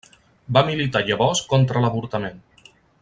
Va militar llavors contra l'avortament.